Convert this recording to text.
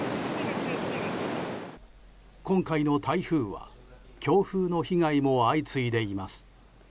今回の台風は強風の被害も相次いでいます。